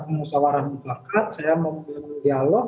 pengusaha waran dibangkat saya membuat dialog